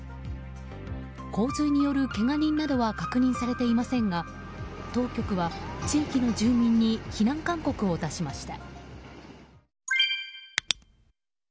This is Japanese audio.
洪水によるけが人などは確認されていませんが当局は、地域の住民に避難勧告を出しました。